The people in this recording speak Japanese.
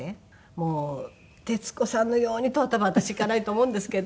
もう徹子さんのようにとは多分私いかないと思うんですけど。